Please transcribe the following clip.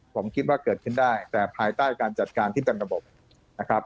ผมคิดว่าเกิดขึ้นได้แต่ภายใต้การจัดการที่กันกระบบ